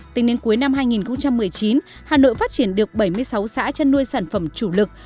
tính đến cuối năm hai nghìn một mươi chín hà nội phát triển được bảy mươi sáu xã chăn nuôi sản phẩm chủ lực